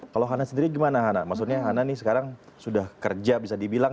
kalau hana sendiri gimana hana maksudnya hana nih sekarang sudah kerja bisa dibilang